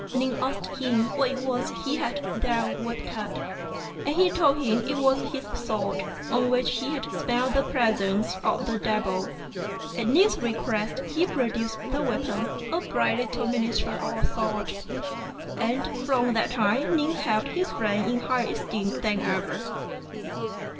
Ning asked him what it was he had there wrapped up, and he told him it was his sword, 1 on which he had smelt the presence of the devil. At Ning's request he produced the weapon, a bright little miniature of a sword ; and from that time Ning held his friend in higher esteem than ever.